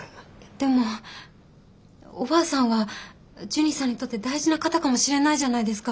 でもおばあさんはジュニさんにとって大事な方かもしれないじゃないですか。